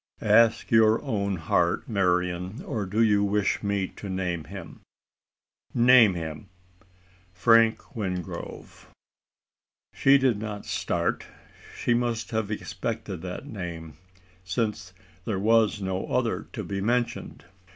"Ask your own heart, Marian! or do you wish me to name him?" "Name him!" "Frank Wingrove." She did not start. She must have expected that name: since there was no other to be mentioned.